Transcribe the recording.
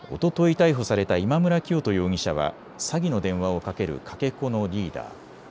逮捕された今村磨人容疑者は詐欺の電話をかける、かけ子のリーダー。